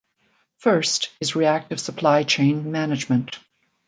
First is reactive supply chain management.